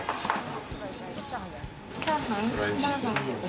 チャーハン？